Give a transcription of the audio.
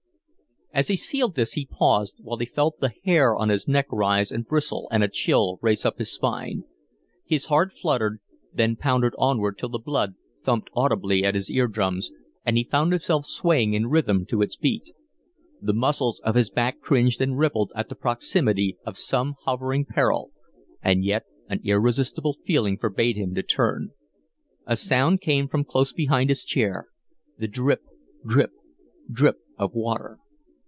As he sealed this he paused, while he felt the hair on his neck rise and bristle and a chill race up his spine. His heart fluttered, then pounded onward till the blood thumped audibly at his ear drums and he found himself swaying in rhythm to its beat. The muscles of his back cringed and rippled at the proximity of some hovering peril, and yet an irresistible feeling forbade him to turn. A sound came from close behind his chair the drip, drip, drip of water.